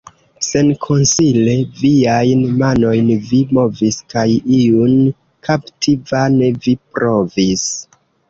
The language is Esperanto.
Senkonsile viajn manojn vi movis, kaj iun kapti vane vi provis.